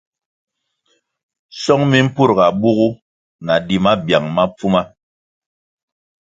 Song mi mpurga bugu na di mabiang ma pfuma.